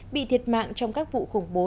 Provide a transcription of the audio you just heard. bị thiệt mạng trong các vụ khủng bố